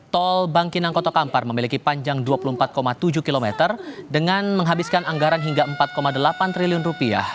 tol bangkinang kota kampar memiliki panjang dua puluh empat tujuh km dengan menghabiskan anggaran hingga empat delapan triliun rupiah